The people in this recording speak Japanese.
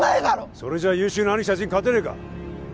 それじゃ優秀な兄貴達に勝てねえか？